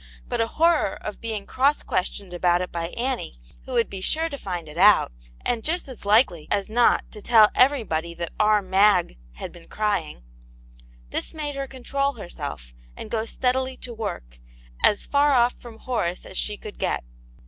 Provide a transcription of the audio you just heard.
But a horror of being cross questioned about it by Annie, v/ho would be sure to find it out, and just as likely as not to tell everybody that "pur Mag" had been crying, — this made her control herself, and go steadily to work, as far off from Horace as she could get.